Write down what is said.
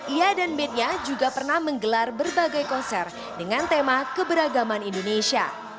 ia dan bad nya juga pernah menggelar berbagai konser dengan tema keberagaman indonesia